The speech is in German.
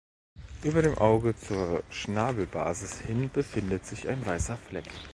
Über dem Auge zur Schnabelbasis hin befindet sich ein weißer Fleck.